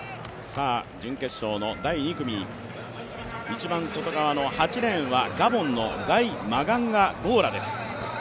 準決勝の第２組一番外側の８レーンはガボンのガイ・マガンガ・ゴーラです。